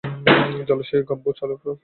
জলাশয়ের গাম্বো পেলে চলবে?